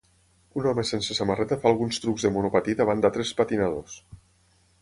Un home sense samarreta fa alguns trucs de monopatí davant d'altres patinadors